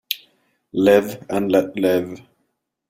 Live and let live